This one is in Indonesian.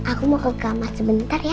aku mau ke kamar sebentar ya